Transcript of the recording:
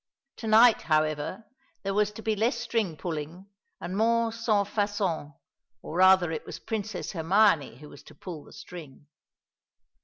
To night, however, there was to be less string pulling and more sans façon, or rather it was Princess Hermione who was to pull the string.